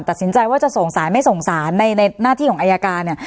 ตัดสินใจว่าจะส่งสารไม่ส่งสารในหน้าที่ของอายการเนี่ย